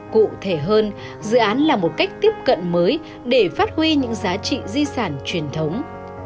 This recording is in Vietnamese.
cụ thể hơn dự án là một cách tiếp cận mới để phát huy những giá trị di sản truyền thống